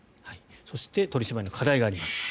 そして取り締まりの課題があります。